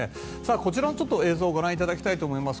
こちらの映像ご覧いただきたいと思います。